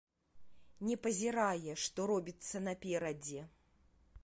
Не пазірае, што робіцца наперадзе.